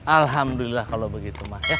alhamdulillah kalau begitu ma